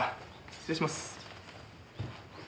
失礼します。